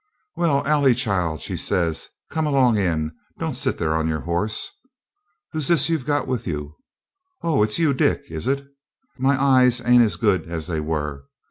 'Well, Ailie, child,' says she, 'come along in, don't sit there on your horse. Who's this you've got with you? Oh! it's you, Dick, is it? My eyes ain't as good as they were.